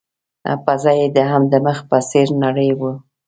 پزه يې هم د مخ په څېر نرۍ وه.